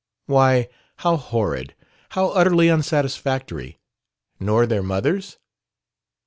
"Why, how horrid! How utterly unsatisfactory! Nor their mothers?"